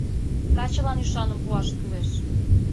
— Качылан ӱшаным пуаш кӱлеш...